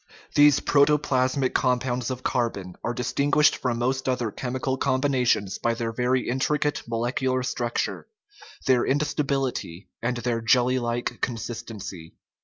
These protoplasmic compounds of carbon are distinguished from most other chemical combinations by their very intricate molecular structure, their insta bility, and their jelly like consistency.